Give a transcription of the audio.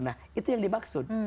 nah itu yang dimaksud